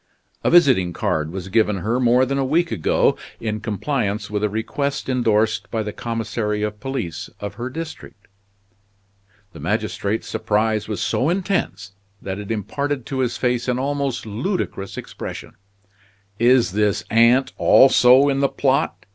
A visiting card was given her more than a week ago, in compliance with a request indorsed by the commissary of police of her district." The magistrate's surprise was so intense that it imparted to his face an almost ludicrous expression. "Is this aunt also in the plot?"